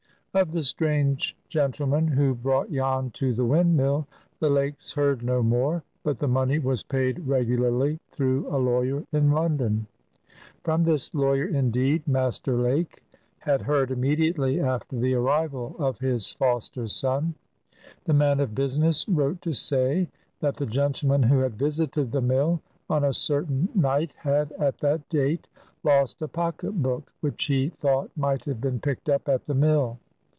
OF the strange gentleman who brought Jan to the windmill, the Lakes heard no more, but the money was paid regularly through a lawyer in London. From this lawyer, indeed, Master Lake had heard immediately after the arrival of his foster son. The man of business wrote to say that the gentleman who had visited the mill on a certain night had, at that date, lost a pocket book, which he thought might have been picked up at the mill.